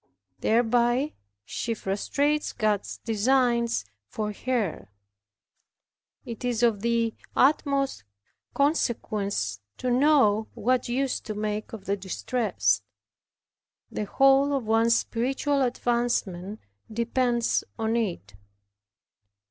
Thereby she frustrates God's designs toward her. It is of the utmost consequence to know what use to make of the distress. The whole of one's spiritual advancement depends on it.